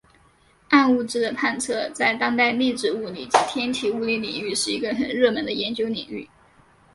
暗物质的探测在当代粒子物理及天体物理领域是一个很热门的研究领域。